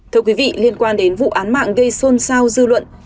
thưa quý vị liên quan đến vụ án mạng gây sôn sao dư luận